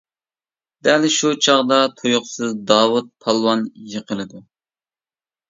دەل شۇ چاغدا تۇيۇقسىز داۋۇت پالۋان يىقىلىدۇ.